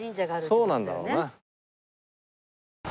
そうなんだろうな。